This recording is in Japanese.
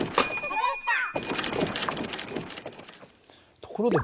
ところでυ−